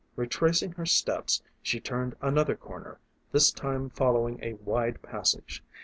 Retracing her steps she turned another corner, this time following a wide passage.